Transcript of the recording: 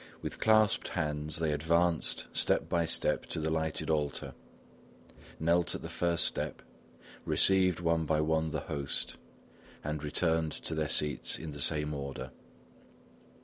With clasped hands, they advanced step by step to the lighted altar, knelt at the first step, received one by one the Host, and returned to their seats in the same order.